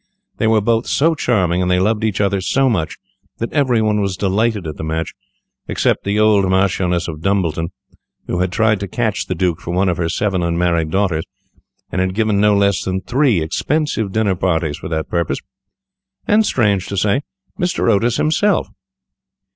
They were both so charming, and they loved each other so much, that every one was delighted at the match, except the old Marchioness of Dumbleton, who had tried to catch the Duke for one of her seven unmarried daughters, and had given no less than three expensive dinner parties for that purpose, and, strange to say, Mr. Otis himself.